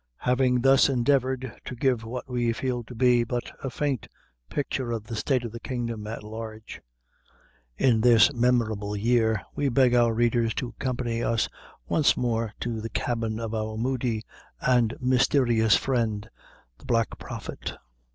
Having thus endeavored to give what we feel to be but a faint picture of the state of the kingdom at large in this memorable year, we beg our readers to accompany us once more to the cabin of our moody and mysterious friend, the Black Prophet.